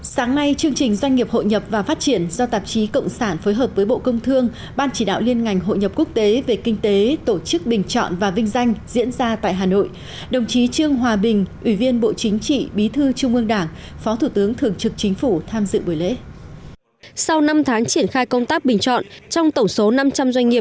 sáng nay chương trình doanh nghiệp hội nhập và phát triển do tạp chí cộng sản phối hợp với bộ công thương ban chỉ đạo liên ngành hội nhập quốc tế về kinh tế tổ chức bình chọn và vinh danh diễn ra tại hà nội